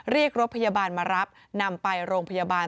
เรียกรถพยาบาลมารับนำไปโรงพยาบาล